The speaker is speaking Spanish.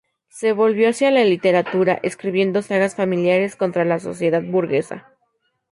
Se volvió hacia la literatura, escribiendo sagas familiares contra la sociedad burguesa.